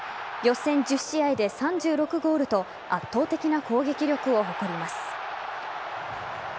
予選１０試合で３６ゴールと圧倒的な攻撃力を誇ります。